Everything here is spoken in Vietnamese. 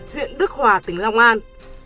huyện đức hòa tỉnh long an